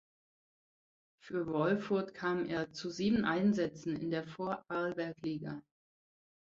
Für Wolfurt kam er zu sieben Einsätzen in der Vorarlbergliga.